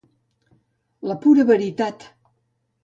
La pura veritat.